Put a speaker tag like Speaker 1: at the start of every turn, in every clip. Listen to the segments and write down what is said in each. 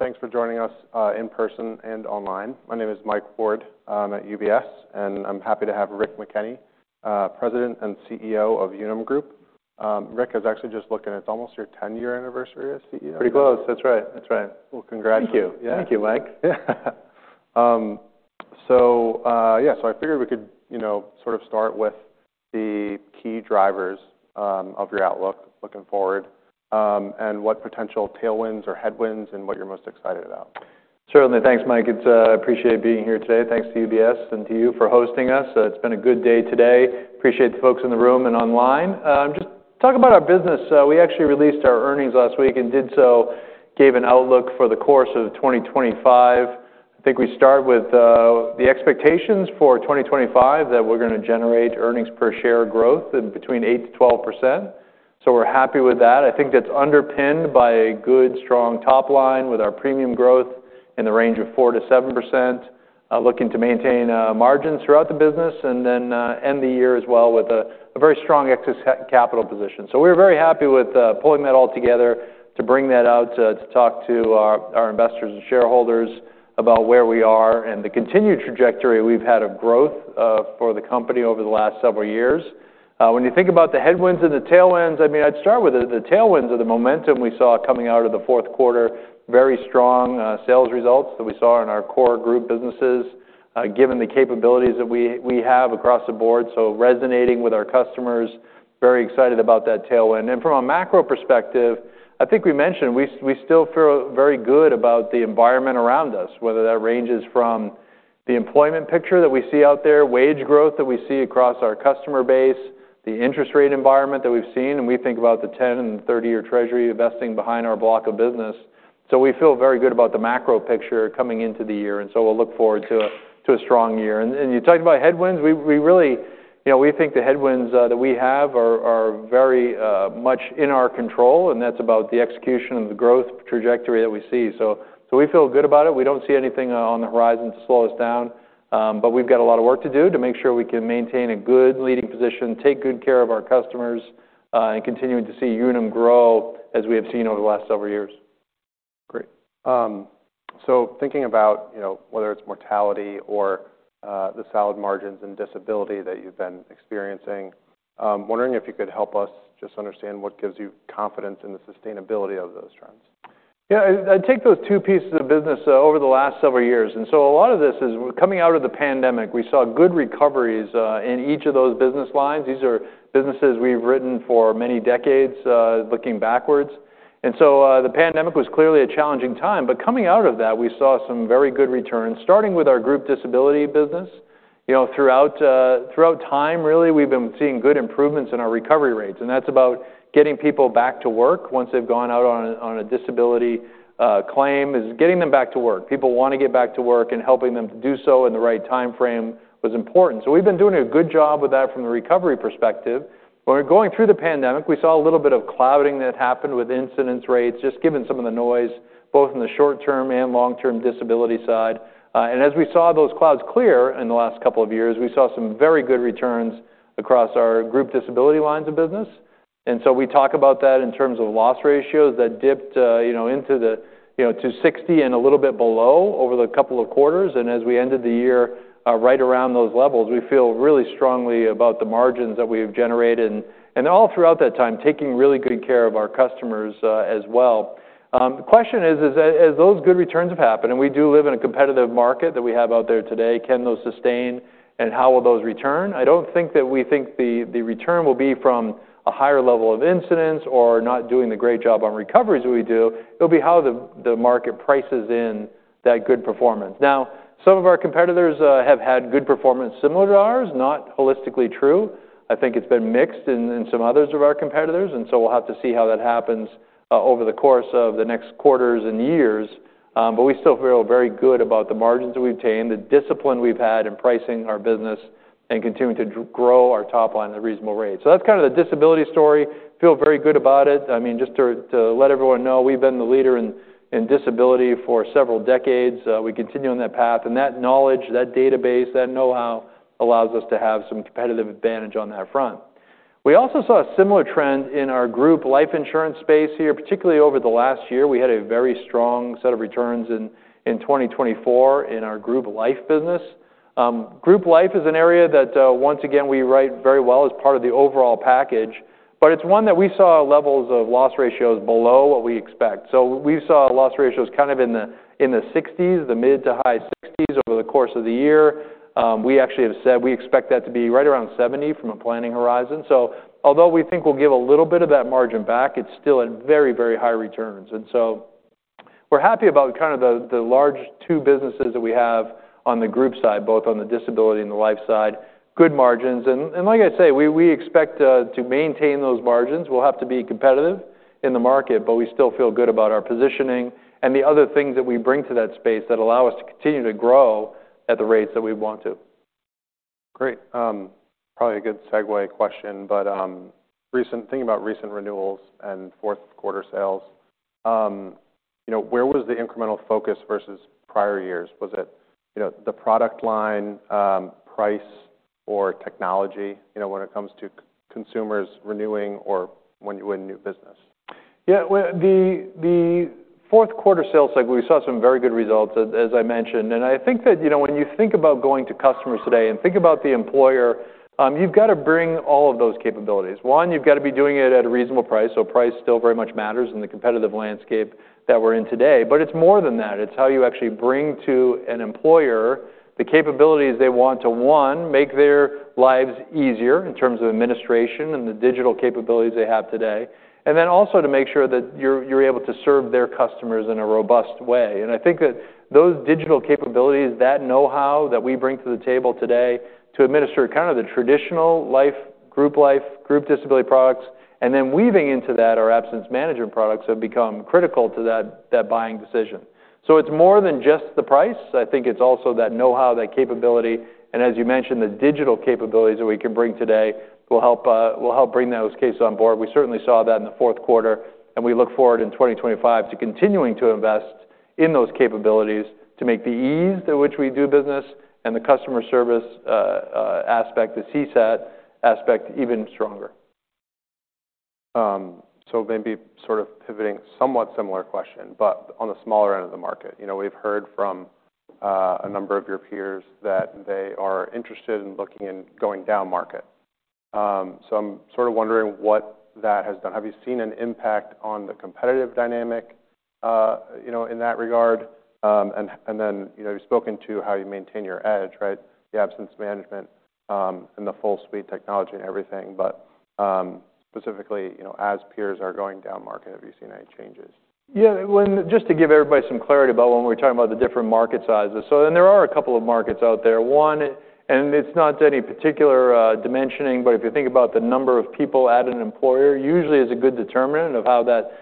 Speaker 1: Hello, everyone. Thanks for joining us in person and online. My name is Mike Ward. I'm at UBS, and I'm happy to have Rick McKenney, President and CEO of Unum Group. Rick, I was actually just looking at it, it's almost your 10-year anniversary as CEO. Pretty close. That's right. That's right. Well, congrats.
Speaker 2: Thank you. Thank you, Mike.
Speaker 1: So, I figured we could sort of start with the key drivers of your outlook looking forward and what potential tailwinds or headwinds, and what you're most excited about.
Speaker 2: Certainly. Thanks, Mike. I appreciate being here today. Thanks to UBS and to you for hosting us. It's been a good day today. Appreciate the folks in the room and online. Just talk about our business. We actually released our earnings last week and did so, gave an outlook for the course of 2025. I think we start with the expectations for 2025 that we're going to generate earnings per share growth in between 8%-12%. So we're happy with that. I think that's underpinned by a good, strong top line with our premium growth in the range of 4%-7%, looking to maintain margins throughout the business, and then end the year as well with a very strong exit capital position. So we're very happy with pulling that all together to bring that out to talk to our investors and shareholders about where we are and the continued trajectory we've had of growth for the company over the last several years. When you think about the headwinds and the tailwinds, I mean, I'd start with the tailwinds of the momentum we saw coming out of the Q4, very strong sales results that we saw in our core group businesses, given the capabilities that we have across the board. So resonating with our customers, very excited about that tailwind. From a macro perspective, I think we mentioned we still feel very good about the environment around us, whether that ranges from the employment picture that we see out there, wage growth that we see across our customer base, the interest rate environment that we've seen, and we think about the 10 and 30-year Treasury investing behind our block of business. So we feel very good about the macro picture coming into the year. And so we'll look forward to a strong year. And you talked about headwinds. We really think the headwinds that we have are very much in our control, and that's about the execution of the growth trajectory that we see. So we feel good about it. We don't see anything on the horizon to slow us down, but we've got a lot of work to do to make sure we can maintain a good leading position, take good care of our customers, and continue to see Unum grow as we have seen over the last several years.
Speaker 1: Great. So thinking about whether it's mortality or the solid margins and disability that you've been experiencing, I'm wondering if you could help us just understand what gives you confidence in the sustainability of those trends.
Speaker 2: Yeah. I take those two pieces of business over the last several years, and so a lot of this is coming out of the pandemic. We saw good recoveries in each of those business lines. These are businesses we've written for many decades looking backwards, and so the pandemic was clearly a challenging time, but coming out of that, we saw some very good returns, starting with our group disability business. Throughout time, really, we've been seeing good improvements in our recovery rates, and that's about getting people back to work once they've gone out on a disability claim is getting them back to work. People want to get back to work, and helping them to do so in the right time frame was important, so we've been doing a good job with that from the recovery perspective. When we're going through the pandemic, we saw a little bit of clouding that happened with incidence rates, just given some of the noise, both in the short-term and long-term disability side, and as we saw those clouds clear in the last couple of years, we saw some very good returns across our group disability lines of business, and so we talk about that in terms of loss ratios that dipped into the 60 and a little bit below over the couple of quarters, and as we ended the year right around those levels, we feel really strongly about the margins that we have generated, and all throughout that time, taking really good care of our customers as well. The question is, as those good returns have happened, and we do live in a competitive market that we have out there today, can those sustain, and how will those return? I don't think that we think the return will be from a higher level of incidence or not doing the great job on recoveries that we do. It'll be how the market prices in that good performance. Now, some of our competitors have had good performance similar to ours, not holistically true. I think it's been mixed in some others of our competitors, and so we'll have to see how that happens over the course of the next quarters and years, but we still feel very good about the margins that we've obtained, the discipline we've had in pricing our business, and continuing to grow our top line at a reasonable rate, so that's kind of the disability story. Feel very good about it. I mean, just to let everyone know, we've been the leader in disability for several decades. We continue on that path. And that knowledge, that database, that know-how allows us to have some competitive advantage on that front. We also saw a similar trend in our group life insurance space here, particularly over the last year. We had a very strong set of returns in 2024 in our group life business. Group life is an area that, once again, we write very well as part of the overall package, but it's one that we saw levels of loss ratios below what we expect. So we saw loss ratios kind of in the 60s, the mid to high 60s over the course of the year. We actually have said we expect that to be right around 70 from a planning horizon. So although we think we'll give a little bit of that margin back, it's still at very, very high returns. So we're happy about kind of the large two businesses that we have on the group side, both on the disability and the life side, good margins. Like I say, we expect to maintain those margins. We'll have to be competitive in the market, but we still feel good about our positioning and the other things that we bring to that space that allow us to continue to grow at the rates that we want to.
Speaker 1: Great. Probably a good segue question, but thinking about recent renewals and Q4 sales, where was the incremental focus versus prior years? Was it the product line, price, or technology when it comes to consumers renewing or when you went into new business?
Speaker 2: Yeah. The Q4 sales, we saw some very good results, as I mentioned, and I think that when you think about going to customers today and think about the employer, you've got to bring all of those capabilities. One, you've got to be doing it at a reasonable price, so price still very much matters in the competitive landscape that we're in today, but it's more than that. It's how you actually bring to an employer the capabilities they want to, one, make their lives easier in terms of administration and the digital capabilities they have today, and then also to make sure that you're able to serve their customers in a robust way. I think that those digital capabilities, that know-how that we bring to the table today to administer kind of the traditional life group life, group disability products, and then weaving into that our absence management products have become critical to that buying decision. So it's more than just the price. I think it's also that know-how, that capability, and as you mentioned, the digital capabilities that we can bring today will help bring those cases on board. We certainly saw that in the Q4, and we look forward in 2025 to continuing to invest in those capabilities to make the ease at which we do business and the customer service aspect, the CSAT aspect, even stronger.
Speaker 1: So maybe sort of pivoting somewhat similar question, but on the smaller end of the market, we've heard from a number of your peers that they are interested in looking and going down market. So I'm sort of wondering what that has done. Have you seen an impact on the competitive dynamic in that regard? And then you've spoken to how you maintain your edge, right, the absence management and the full suite technology and everything. But specifically, as peers are going down market, have you seen any changes?
Speaker 2: Yeah. Just to give everybody some clarity about when we're talking about the different market sizes. So there are a couple of markets out there. One, and it's not any particular dimensioning, but if you think about the number of people at an employer, usually is a good determinant of how that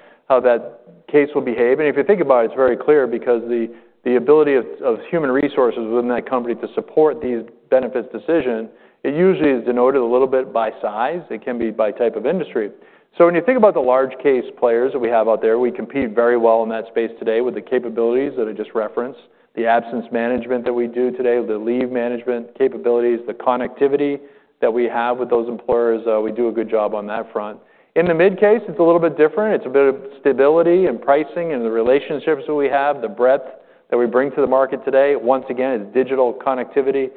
Speaker 2: case will behave. And if you think about it, it's very clear because the ability of human resources within that company to support these benefits decision, it usually is denoted a little bit by size. It can be by type of industry. So when you think about the large case players that we have out there, we compete very well in that space today with the capabilities that I just referenced, the absence management that we do today, the leave management capabilities, the connectivity that we have with those employers. We do a good job on that front. In the mid case, it's a little bit different. It's a bit of stability and pricing and the relationships that we have, the breadth that we bring to the market today. Once again, it's digital connectivity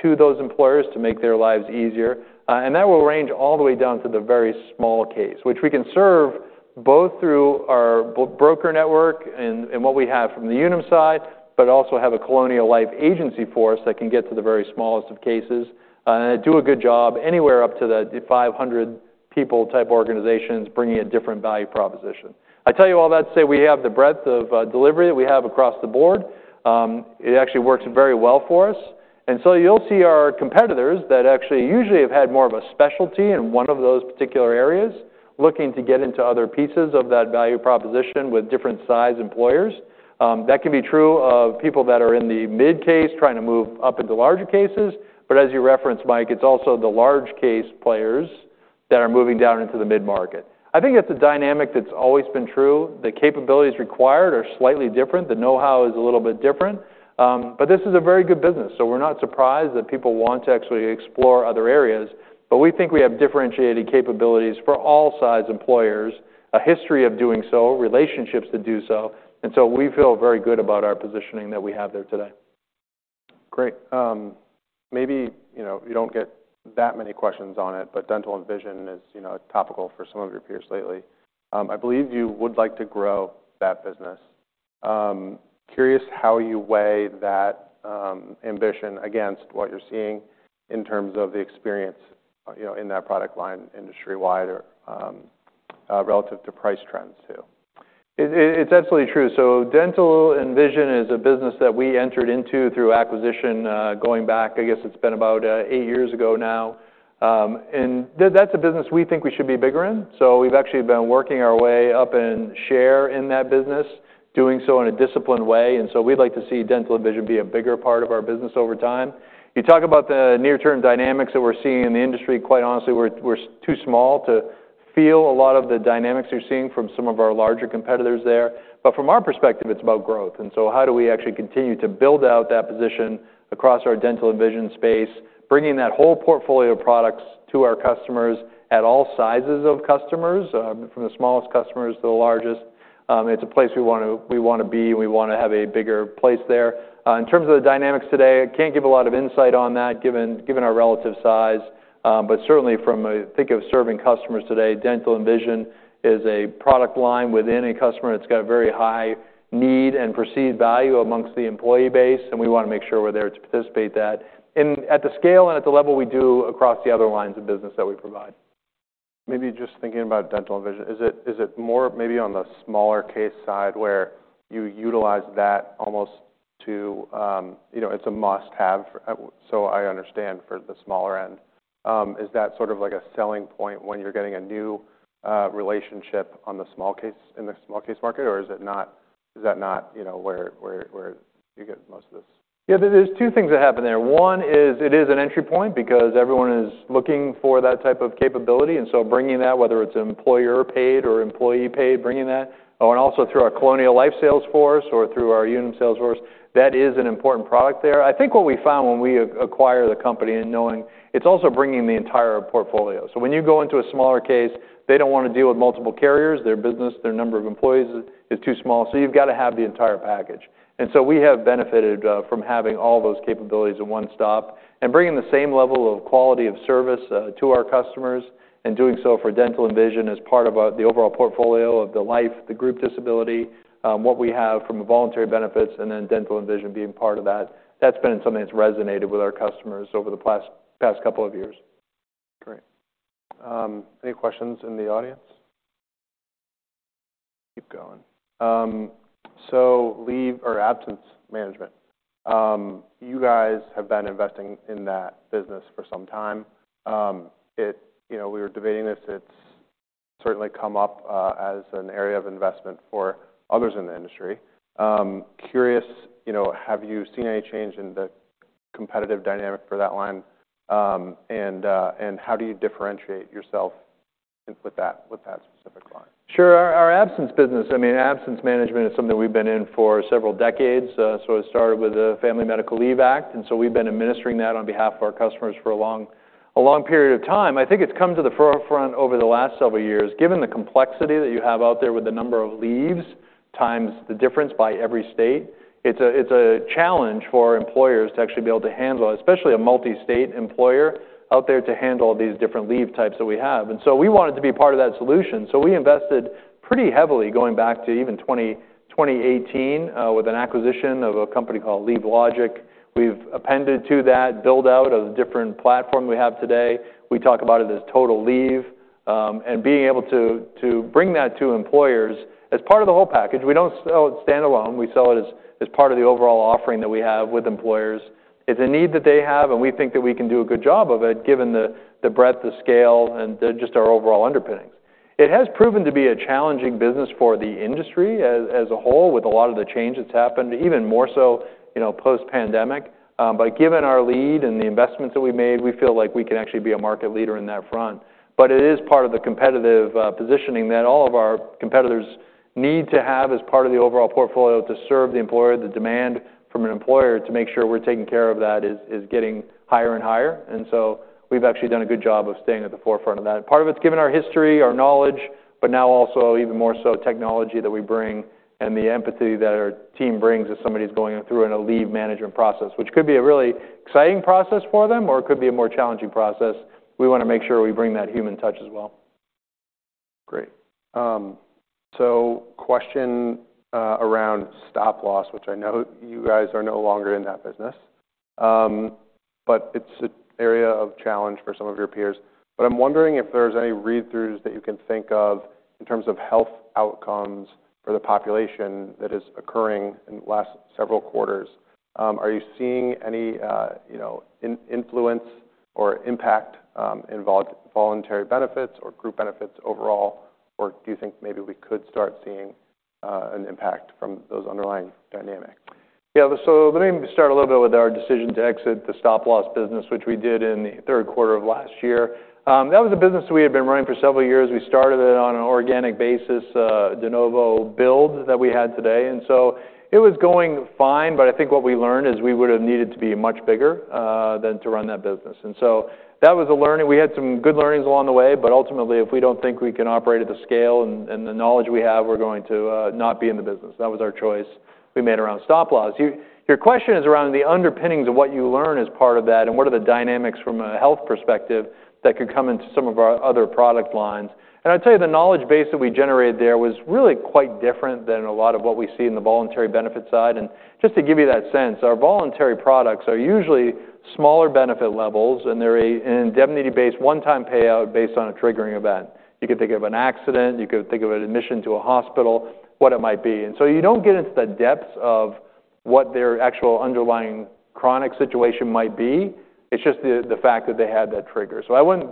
Speaker 2: to those employers to make their lives easier, and that will range all the way down to the very small case, which we can serve both through our broker network and what we have from the Unum side, but also have a Colonial Life agency force that can get to the very smallest of cases and do a good job anywhere up to the 500-people type organizations bringing a different value proposition. I tell you all that to say we have the breadth of delivery that we have across the board. It actually works very well for us. And so you'll see our competitors that actually usually have had more of a specialty in one of those particular areas looking to get into other pieces of that value proposition with different size employers. That can be true of people that are in the mid case trying to move up into larger cases. But as you referenced, Mike, it's also the large case players that are moving down into the mid market. I think that's a dynamic that's always been true. The capabilities required are slightly different. The know-how is a little bit different. But this is a very good business. So we're not surprised that people want to actually explore other areas. But we think we have differentiated capabilities for all size employers, a history of doing so, relationships to do so. And so we feel very good about our positioning that we have there today.
Speaker 1: Great. Maybe you don't get that many questions on it, but dental and vision is topical for some of your peers lately. I believe you would like to grow that business. Curious how you weigh that ambition against what you're seeing in terms of the experience in that product line industry-wide relative to price trends too.
Speaker 2: It's absolutely true. So dental and vision is a business that we entered into through acquisition going back, I guess it's been about eight years ago now. And that's a business we think we should be bigger in. So we've actually been working our way up in share in that business, doing so in a disciplined way. And so we'd like to see dental and vision be a bigger part of our business over time. You talk about the near-term dynamics that we're seeing in the industry. Quite honestly, we're too small to feel a lot of the dynamics you're seeing from some of our larger competitors there. But from our perspective, it's about growth. And so how do we actually continue to build out that position across our dental and vision space, bringing that whole portfolio of products to our customers at all sizes of customers, from the smallest customers to the largest? It's a place we want to be. We want to have a bigger place there. In terms of the dynamics today, I can't give a lot of insight on that given our relative size. But certainly, from think of serving customers today, dental and vision is a product line within a customer. It's got very high need and perceived value among the employee base. And we want to make sure we're there to participate that at the scale and at the level we do across the other lines of business that we provide.
Speaker 1: Maybe just thinking about dental and vision, is it more maybe on the smaller case side where you utilize that almost to its a must-have, so I understand for the smaller end. Is that sort of like a selling point when you're getting a new relationship in the small case market, or is that not where you get most of this?
Speaker 2: Yeah. There's two things that happen there. One is it is an entry point because everyone is looking for that type of capability. And so bringing that, whether it's employer-paid or employee-paid, bringing that, and also through our Colonial Life sales force or through our Unum sales force, that is an important product there. I think what we found when we acquired the company and knowing it's also bringing the entire portfolio. So when you go into a smaller case, they don't want to deal with multiple carriers. Their business, their number of employees is too small. So you've got to have the entire package. And so we have benefited from having all those capabilities in one stop and bringing the same level of quality of service to our customers and doing so for dental and vision as part of the overall portfolio of the life, the group disability, what we have from voluntary benefits, and then dental and vision being part of that. That's been something that's resonated with our customers over the past couple of years.
Speaker 1: Great. Any questions in the audience? Keep going. So leave or absence management. You guys have been investing in that business for some time. We were debating this. It's certainly come up as an area of investment for others in the industry. Curious, have you seen any change in the competitive dynamic for that line? And how do you differentiate yourself with that specific line?
Speaker 2: Sure. Our absence business, I mean, absence management is something we've been in for several decades, so it started with the Family Medical Leave Act, and so we've been administering that on behalf of our customers for a long period of time. I think it's come to the forefront over the last several years. Given the complexity that you have out there with the number of leaves times the difference by every state, it's a challenge for employers to actually be able to handle, especially a multi-state employer out there to handle these different leave types that we have, and so we wanted to be part of that solution, so we invested pretty heavily going back to even 2018 with an acquisition of a company called LeaveLogic. We've appended to that build-out of the different platform we have today. We talk about it as Total Leave. And being able to bring that to employers as part of the whole package, we don't sell it standalone. We sell it as part of the overall offering that we have with employers. It's a need that they have, and we think that we can do a good job of it given the breadth, the scale, and just our overall underpinnings. It has proven to be a challenging business for the industry as a whole with a lot of the change that's happened, even more so post-pandemic. But given our lead and the investments that we made, we feel like we can actually be a market leader in that front. But it is part of the competitive positioning that all of our competitors need to have as part of the overall portfolio to serve the employer. The demand from an employer to make sure we're taking care of that is getting higher and higher. And so we've actually done a good job of staying at the forefront of that. Part of it's given our history, our knowledge, but now also even more so technology that we bring and the empathy that our team brings as somebody's going through in a leave management process, which could be a really exciting process for them or it could be a more challenging process. We want to make sure we bring that human touch as well.
Speaker 1: Great. So question around stop loss, which I know you guys are no longer in that business, but it's an area of challenge for some of your peers. But I'm wondering if there's any read-throughs that you can think of in terms of health outcomes for the population that is occurring in the last several quarters. Are you seeing any influence or impact in voluntary benefits or group benefits overall, or do you think maybe we could start seeing an impact from those underlying dynamics?
Speaker 2: Yeah. So let me start a little bit with our decision to exit the Stop Loss business, which we did in the Q3 of last year. That was a business we had been running for several years. We started it on an organic basis, de novo build that we had today. And so it was going fine, but I think what we learned is we would have needed to be much bigger than to run that business. And so that was a learning. We had some good learnings along the way, but ultimately, if we don't think we can operate at the scale and the knowledge we have, we're going to not be in the business. That was our choice we made around Stop Loss. Your question is around the underpinnings of what you learn as part of that and what are the dynamics from a health perspective that could come into some of our other product lines. And I'll tell you the knowledge base that we generated there was really quite different than a lot of what we see in the voluntary benefit side. And just to give you that sense, our voluntary products are usually smaller benefit levels, and they're an indemnity-based one-time payout based on a triggering event. You could think of an accident. You could think of an admission to a hospital, what it might be. And so you don't get into the depths of what their actual underlying chronic situation might be. It's just the fact that they had that trigger. So, I wouldn't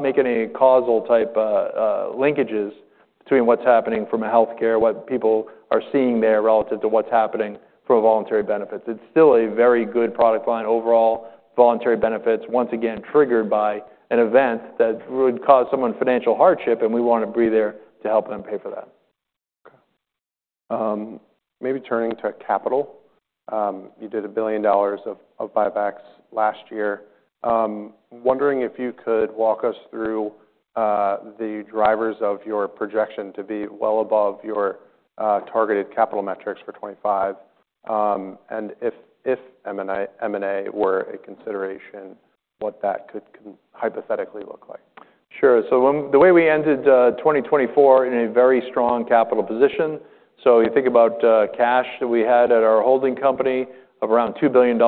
Speaker 2: make any causal type linkages between what's happening from a healthcare, what people are seeing there relative to what's happening from voluntary benefits. It's still a very good product line overall, voluntary benefits, once again triggered by an event that would cause someone financial hardship, and we want to be there to help them pay for that.
Speaker 1: Okay. Maybe turning to capital. You did $1 billion of buybacks last year. Wondering if you could walk us through the drivers of your projection to be well above your targeted capital metrics for 2025. And if M&A were a consideration, what that could hypothetically look like?
Speaker 2: Sure. So the way we ended 2024 in a very strong capital position, so you think about cash that we had at our holding company of around $2 billion,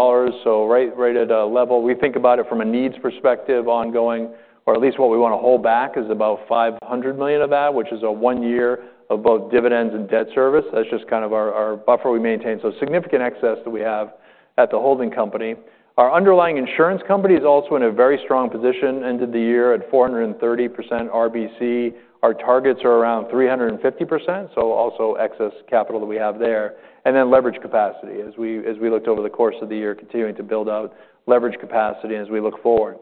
Speaker 2: so rated level, we think about it from a needs perspective ongoing, or at least what we want to hold back is about $500 million of that, which is a one year of both dividends and debt service. That's just kind of our buffer we maintain, so significant excess that we have at the holding company. Our underlying insurance company is also in a very strong position into the year at 430% RBC. Our targets are around 350%, so also excess capital that we have there, and then leverage capacity as we looked over the course of the year, continuing to build out leverage capacity as we look forward.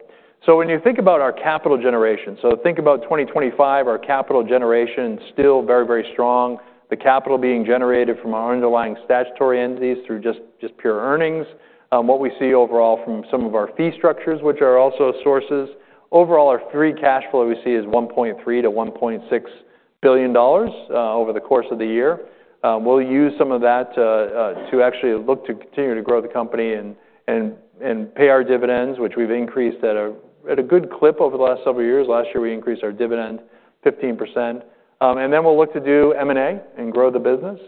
Speaker 2: So when you think about our capital generation, so think about 2025, our capital generation still very, very strong, the capital being generated from our underlying statutory entities through just pure earnings. What we see overall from some of our fee structures, which are also sources, overall our free cash flow we see is $1.3 billion-$1.6 billion over the course of the year. We'll use some of that to actually look to continue to grow the company and pay our dividends, which we've increased at a good clip over the last several years. Last year, we increased our dividend 15%. And then we'll look to do M&A and grow the business.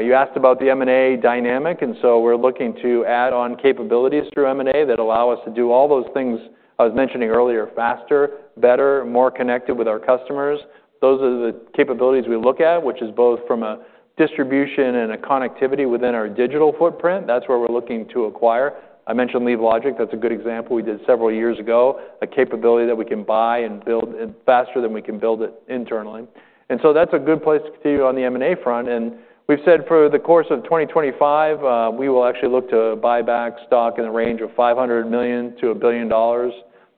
Speaker 2: You asked about the M&A dynamic. And so we're looking to add on capabilities through M&A that allow us to do all those things I was mentioning earlier, faster, better, more connected with our customers. Those are the capabilities we look at, which is both from a distribution and a connectivity within our digital footprint. That's where we're looking to acquire. I mentioned LeaveLogic, that's a good example we did several years ago, a capability that we can buy and build faster than we can build it internally. And so that's a good place to continue on the M&A front. And we've said for the course of 2025, we will actually look to buy back stock in the range of $500 million-$1 billion,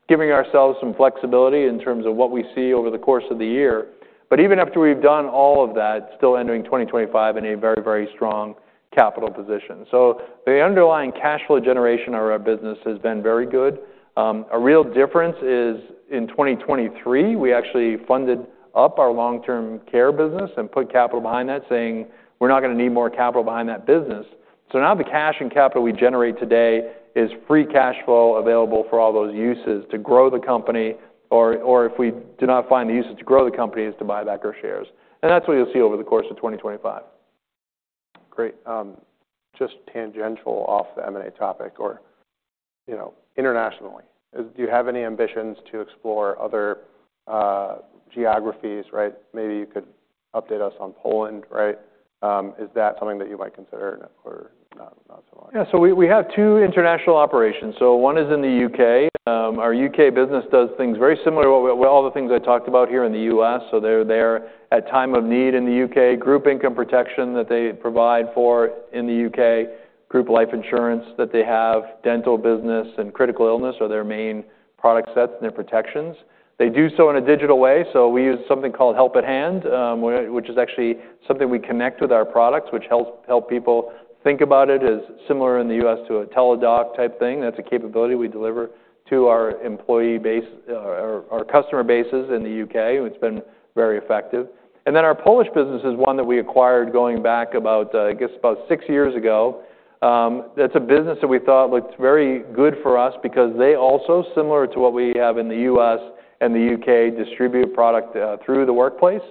Speaker 2: giving ourselves some flexibility in terms of what we see over the course of the year. But even after we've done all of that, still entering 2025 in a very, very strong capital position. So the underlying cash flow generation of our business has been very good. A real difference is in 2023, we actually funded up our Long-Term Care business and put capital behind that, saying we're not going to need more capital behind that business. So now the cash and capital we generate today is free cash flow available for all those uses to grow the company, or if we do not find the uses to grow the company is to buy back our shares, and that's what you'll see over the course of 2025.
Speaker 1: Great. Just tangential off the M&A topic or internationally, do you have any ambitions to explore other geographies? Right. Maybe you could update us on Poland, right? Is that something that you might consider or not so much?
Speaker 2: Yeah. So we have two international operations. So one is in the U.K.. Our U.K. business does things very similar to all the things I talked about here in the U.S. So they're there at time of need in the U.K., group income protection that they provide for in the U.K., group life insurance that they have, dental business and critical illness are their main product sets and their protections. They do so in a digital way. So we use something called Help@hand, which is actually something we connect with our products, which helps people think about it as similar in the U.S. to a Teladoc type thing. That's a capability we deliver to our employee base, our customer bases in the U.K.. It's been very effective. And then our Polish business is one that we acquired going back about, I guess, about six years ago. That's a business that we thought looked very good for us because they also, similar to what we have in the U.S. and the U.K., distribute product through the workplace.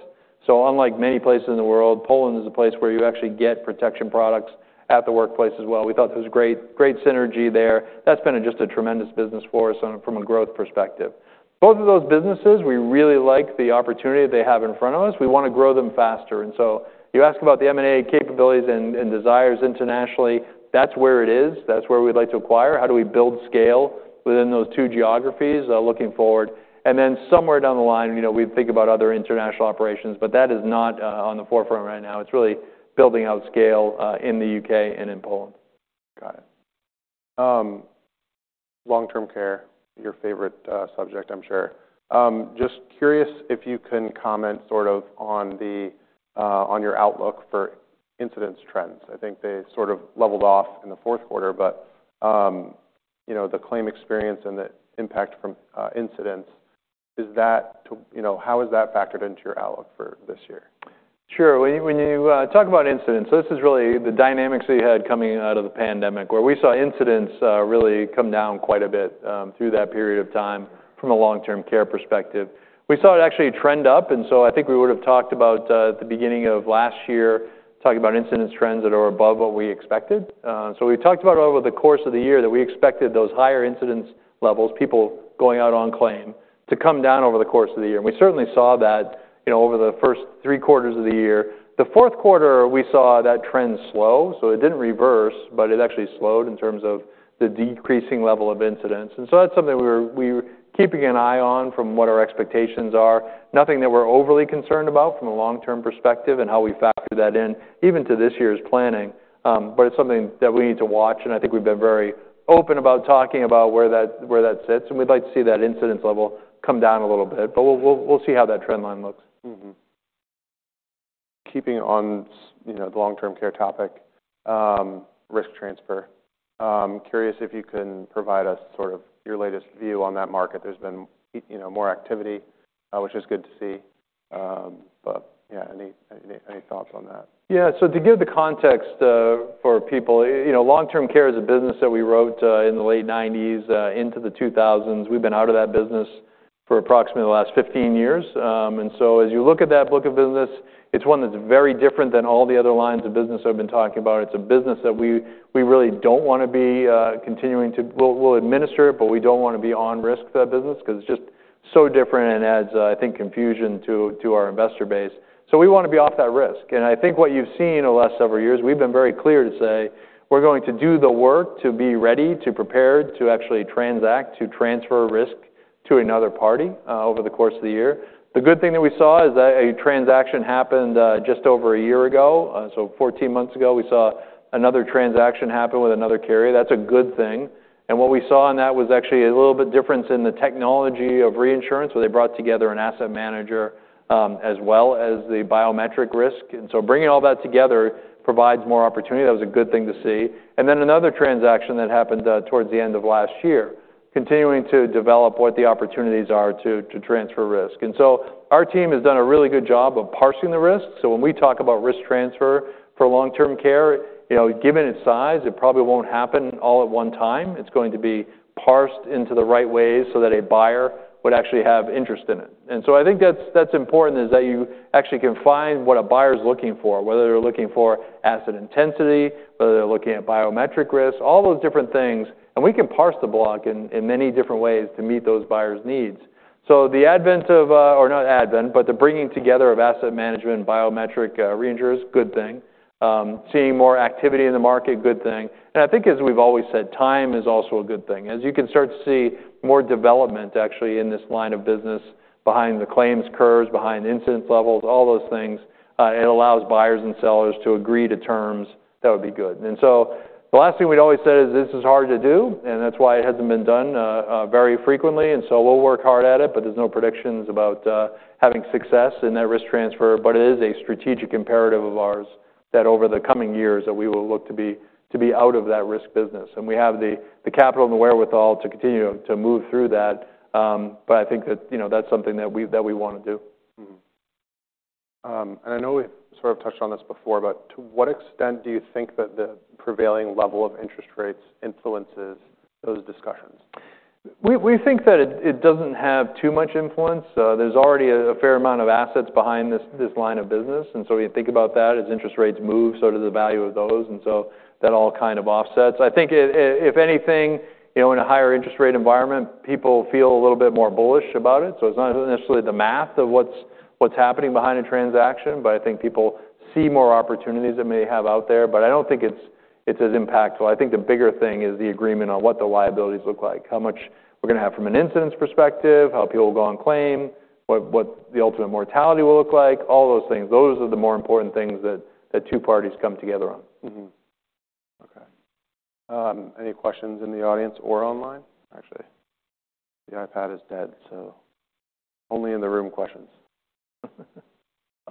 Speaker 2: So unlike many places in the world, Poland is a place where you actually get protection products at the workplace as well. We thought there was great synergy there. That's been just a tremendous business for us from a growth perspective. Both of those businesses, we really like the opportunity they have in front of us. We want to grow them faster. And so you ask about the M&A capabilities and desires internationally, that's where it is. That's where we'd like to acquire. How do we build scale within those two geographies looking forward? And then somewhere down the line, we think about other international operations, but that is not on the forefront right now. It's really building out scale in the U.K. and in Poland.
Speaker 1: Got it. Long-term care, your favorite subject, I'm sure. Just curious if you can comment sort of on your outlook for incidence trends. I think they sort of leveled off in the Q4, but the claim experience and the impact from incidence, how is that factored into your outlook for this year?
Speaker 2: Sure. When you talk about incidence, so this is really the dynamics we had coming out of the pandemic where we saw incidence really come down quite a bit through that period of time from a Long-Term Care perspective. We saw it actually trend up. And so I think we would have talked about at the beginning of last year, talking about incidence trends that are above what we expected. So we talked about over the course of the year that we expected those higher incidence levels, people going out on claim to come down over the course of the year. And we certainly saw that over the first three quarters of the year. The Q4, we saw that trend slow. So it didn't reverse, but it actually slowed in terms of the decreasing level of incidence. And so that's something we were keeping an eye on from what our expectations are. Nothing that we're overly concerned about from a long-term perspective and how we factor that in even to this year's planning, but it's something that we need to watch. And I think we've been very open about talking about where that sits. And we'd like to see that incidence level come down a little bit, but we'll see how that trend line looks.
Speaker 1: Keeping on the Long-Term Care topic, risk transfer, curious if you can provide us sort of your latest view on that market? There's been more activity, which is good to see. But yeah, any thoughts on that?
Speaker 2: Yeah, so to give the context for people, Long-Term Care is a business that we wrote in the late 1990s into the 2000s. We've been out of that business for approximately the last 15 years, and so as you look at that book of business, it's one that's very different than all the other lines of business I've been talking about. It's a business that we really don't want to be continuing to. We'll administer it, but we don't want to be on risk for that business because it's just so different and adds, I think, confusion to our investor base, so we want to be off that risk. And I think what you've seen in the last several years, we've been very clear to say we're going to do the work to be ready, to prepare, to actually transact, to transfer risk to another party over the course of the year. The good thing that we saw is that a transaction happened just over a year ago. So 14 months ago, we saw another transaction happen with another carrier. That's a good thing. And what we saw in that was actually a little bit difference in the technology of reinsurance where they brought together an asset manager as well as the biometric risk. And so bringing all that together provides more opportunity. That was a good thing to see. And then another transaction that happened towards the end of last year, continuing to develop what the opportunities are to transfer risk. Our team has done a really good job of parsing the risk. When we talk about risk transfer for Long-Term Care, given its size, it probably won't happen all at one time. It's going to be parsed into the right ways so that a buyer would actually have interest in it. I think that's important is that you actually can find what a buyer is looking for, whether they're looking for asset intensity, whether they're looking at biometric risk, all those different things. We can parse the block in many different ways to meet those buyers' needs. The advent of, or not advent, but the bringing together of asset management and biometric reinsurance, good thing. Seeing more activity in the market, good thing. I think, as we've always said, time is also a good thing. As you can start to see more development actually in this line of business behind the claims curves, behind incidence levels, all those things, it allows buyers and sellers to agree to terms that would be good. And so the last thing we'd always said is this is hard to do, and that's why it hasn't been done very frequently. And so we'll work hard at it, but there's no predictions about having success in that risk transfer. But it is a strategic imperative of ours that over the coming years that we will look to be out of that risk business. And we have the capital and the wherewithal to continue to move through that. But I think that that's something that we want to do.
Speaker 1: And I know we've sort of touched on this before, but to what extent do you think that the prevailing level of interest rates influences those discussions?
Speaker 2: We think that it doesn't have too much influence. There's already a fair amount of assets behind this line of business. And so we think about that as interest rates move sort of the value of those. And so that all kind of offsets. I think if anything, in a higher interest rate environment, people feel a little bit more bullish about it. So it's not necessarily the math of what's happening behind a transaction, but I think people see more opportunities that may have out there. But I don't think it's as impactful. I think the bigger thing is the agreement on what the liabilities look like, how much we're going to have from an incidence perspective, how people will go on claim, what the ultimate mortality will look like, all those things. Those are the more important things that two parties come together on.
Speaker 1: Okay. Any questions in the audience or online? Actually, the iPad is dead, so only in the room questions.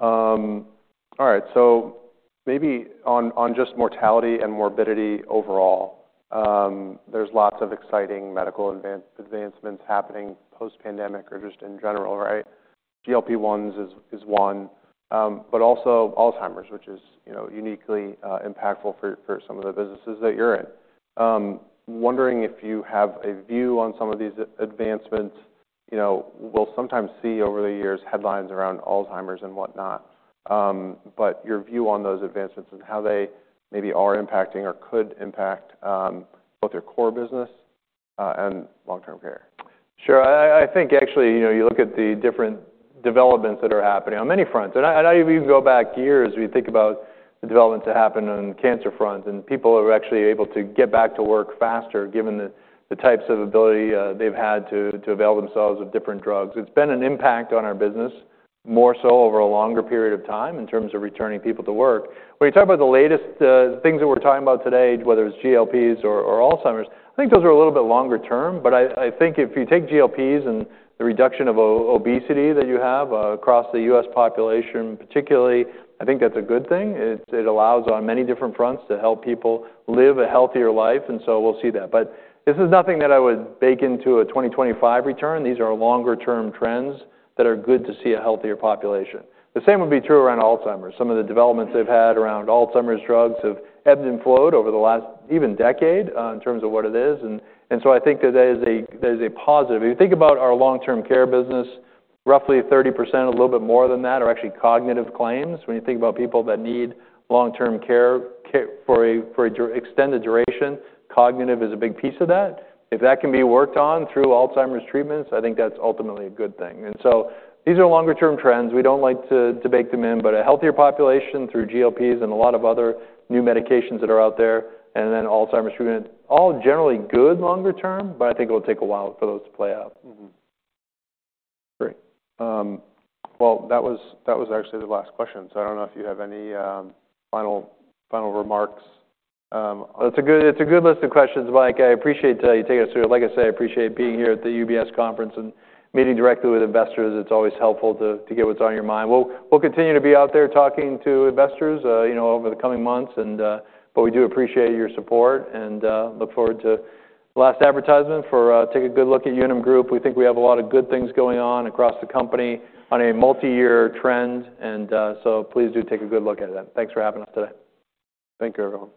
Speaker 1: All right. So maybe on just mortality and morbidity overall, there's lots of exciting medical advancements happening post-pandemic or just in general, right? GLP-1s is one, but also Alzheimer's, which is uniquely impactful for some of the businesses that you're in. Wondering if you have a view on some of these advancements. We'll sometimes see over the years headlines around Alzheimer's and whatnot, but your view on those advancements and how they maybe are impacting or could impact both your core business and Long-Term Care.
Speaker 2: Sure. I think actually you look at the different developments that are happening on many fronts. I even go back years we think about the developments that happen on cancer fronts and people who are actually able to get back to work faster given the types of ability they've had to avail themselves of different drugs. It's been an impact on our business more so over a longer period of time in terms of returning people to work. When you talk about the latest things that we're talking about today, whether it's GLPs or Alzheimer's, I think those are a little bit longer term. I think if you take GLPs and the reduction of obesity that you have across the U.S. population, particularly, I think that's a good thing. It allows on many different fronts to help people live a healthier life. We'll see that. This is nothing that I would bake into a 2025 return. These are longer-term trends that are good to see a healthier population. The same would be true around Alzheimer's. Some of the developments they've had around Alzheimer's drugs have ebbed and flowed over the last even decade in terms of what it is. I think that there is a positive. If you think about our Long-Term Care business, roughly 30%, a little bit more than that are actually cognitive claims. When you think about people that need Long-Term Care for an extended duration, cognitive is a big piece of that. If that can be worked on through Alzheimer's treatments, I think that's ultimately a good thing. These are longer-term trends. We don't like to bake them in, but a healthier population through GLPs and a lot of other new medications that are out there and then Alzheimer's treatment, all generally good longer term, but I think it will take a while for those to play out.
Speaker 1: Great. Well, that was actually the last question. So I don't know if you have any final remarks?
Speaker 2: It's a good list of questions, Mike. I appreciate you taking us through it. Like I say, I appreciate being here at the UBS conference and meeting directly with investors. It's always helpful to get what's on your mind. We'll continue to be out there talking to investors over the coming months, but we do appreciate your support and look forward to the last advertisement for take a good look at Unum Group. We think we have a lot of good things going on across the company on a multi-year trend. And so please do take a good look at that. Thanks for having us today.
Speaker 1: Thank you, everyone.